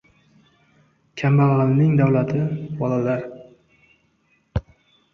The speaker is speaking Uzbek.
• Kambag‘alning davlati — bolalar.